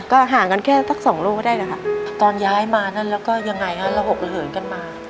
ก็หากันแค่ตักสองโลกก็ได้แหละค่ะตอนย้ายมานั่นแล้วก็ยังไงงั้นเราหกเหลือกันมา